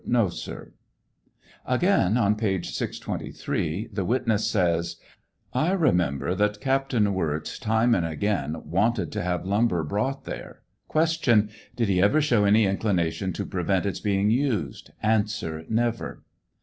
No, sir. Again, on page 623, the witnisss says : I rememember that Captain Wirz time and again wanted to have lumber brought there. Q. Did be ever show any inclination to prevent its being used? A. Never.